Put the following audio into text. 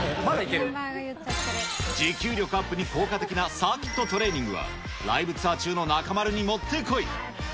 持久力アップに効果的なサーキットトレーニングは、ライブツアー中の中丸にもってこい。